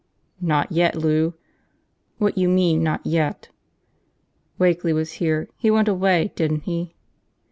"Not yet, Lou." "What you mean, not yet?" "Wakeley was here, he went away, didn't he?"